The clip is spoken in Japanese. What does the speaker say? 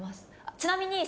ちなみに。